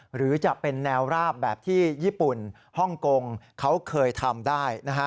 หรือจะเป็นแนวราบแบบที่ญี่ปุ่นฮ่องกงเขาเคยทำได้